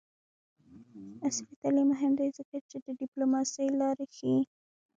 عصري تعلیم مهم دی ځکه چې د ډیپلوماسۍ لارې ښيي.